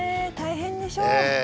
大変でしょう。